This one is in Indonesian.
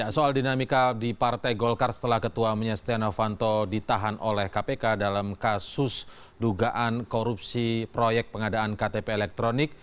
soal dinamika di partai golkar setelah ketua menyanto ditahan oleh kpk dalam kasus dugaan korupsi proyek pengadaan ktp elektronik